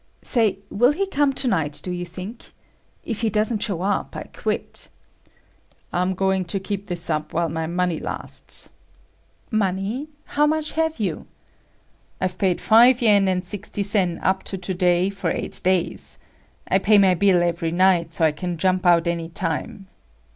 "Say, will he come to night, do you think? If he doesn't show up, I quit." "I'm going to keep this up while my money lasts." "Money? How much have you?" "I've paid five yen and sixty sen up to to day for eight days. I pay my bill every night, so I can jump out anytime."